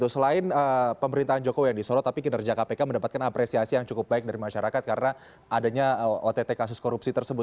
selain pemerintahan jokowi yang disorot tapi kinerja kpk mendapatkan apresiasi yang cukup baik dari masyarakat karena adanya ott kasus korupsi tersebut